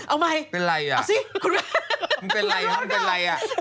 โอ้ยมีแผลปรับตัด